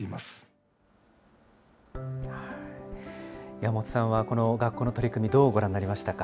山本さんはこの学校の取り組み、どうご覧になりましたか。